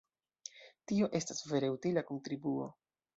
Tio estas vere utila kontribuo!